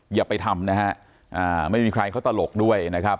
อย่าไปทำนะฮะไม่มีใครเขาตลกด้วยนะครับ